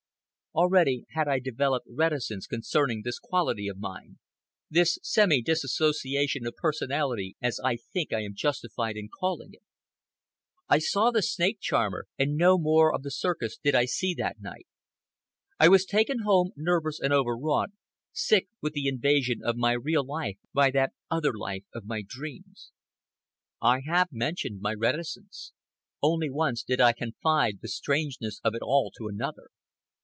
Already had I developed reticence concerning this quality of mine, this semi disassociation of personality as I think I am justified in calling it. I saw the snake charmer, and no more of the circus did I see that night. I was taken home, nervous and overwrought, sick with the invasion of my real life by that other life of my dreams. I have mentioned my reticence. Only once did I confide the strangeness of it all to another.